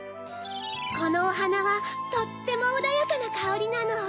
このおはなはとってもおだやかなかおりなの。